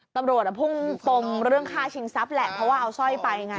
ตำรวจพุ่งปมเรื่องฆ่าชิงทรัพย์แหละเพราะว่าเอาสร้อยไปไง